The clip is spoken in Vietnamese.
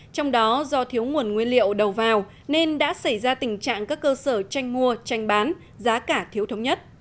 trong đó do thiếu nguồn nguyên liệu đầu vào nên đã xảy ra tình trạng các cơ sở tranh mua tranh bán giá cả thiếu thống nhất